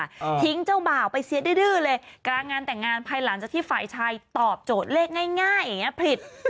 ทิ้งเจ้าบ่าวไปเสียดื้อดื้อเลยกลางงานแต่งงานภายหลังจากที่ฝ่ายชายตอบโจทย์เลขง่ายง่ายอย่างเงี้ผิด